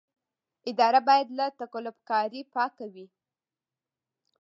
اداره باید له تقلب کارۍ پاکه وي.